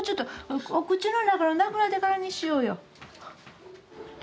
お口の中がなくなってからにしようよ。